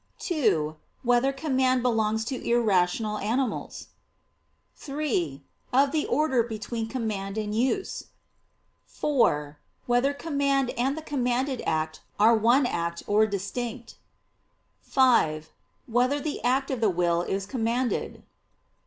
(2) Whether command belongs to irrational animals? (3) Of the order between command and use; (4) Whether command and the commanded act are one act or distinct? (5) Whether the act of the will is commanded?